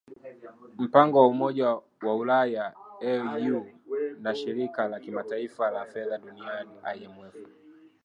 mpango wa umoja wa ulaya eu na shirika la kimataifa la fedha duniani imf